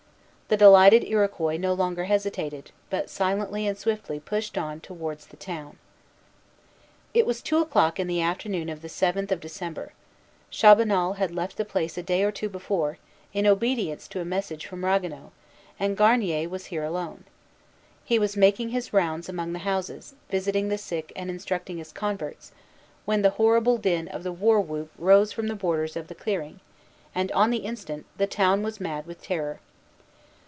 The delighted Iroquois no longer hesitated, but silently and swiftly pushed on towards the town. The Indian name of St. Jean was Etarita; and that of St. Matthias, Ekarenniondi. It was two o'clock in the afternoon of the seventh of December. Chabanel had left the place a day or two before, in obedience to a message from Ragueneau, and Garnier was here alone. He was making his rounds among the houses, visiting the sick and instructing his converts, when the horrible din of the war whoop rose from the borders of the clearing, and, on the instant, the town was mad with terror.